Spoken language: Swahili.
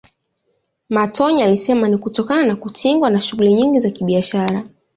Matonya alisema ni kutokana na kutingwa na shughuli nyingi za kibiashara